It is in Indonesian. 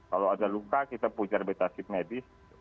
kalau ada luka kita punya rebetaship medis